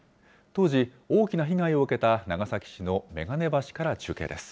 当時、大きな被害を受けた長崎市の眼鏡橋から中継です。